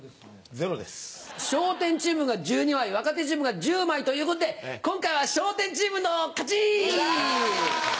笑点チームが１２枚若手チームが１０枚ということで今回は笑点チームの勝ち！